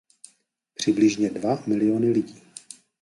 Přibližně dva miliony lidí.